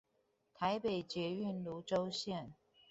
臺北捷運蘆洲線